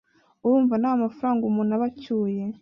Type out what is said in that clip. urumva nawe amafaraga umuntu aba acyuye